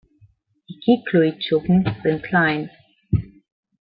Die Cycloidschuppen sind klein.